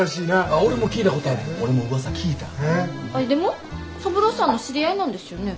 アイでも三郎さんの知り合いなんですよね？